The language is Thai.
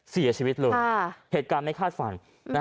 เสียชีวิตเลยเหตุการณ์ไม่คาดฝัน